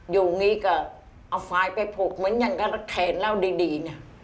อยู่นี่ก็เอาฝ่ายไปพกเหมือนยังกระแคนแล้วดีนี่